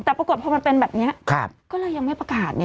แต่ปรากฏพอมันเป็นแบบนี้ก็เลยยังไม่ประกาศไง